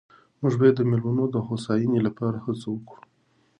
موږ باید د مېلمنو د هوساینې لپاره هڅه وکړو.